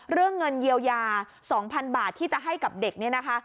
เรื่องเงินเยียวยา๒๐๐๐บาทที่จะให้กับเด็กเนี่ยนะคะ